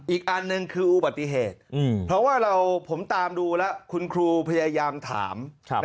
อีกอันหนึ่งคืออุบัติเหตุเพราะว่าผมตามดูแล้วคุณครูพยายามถาม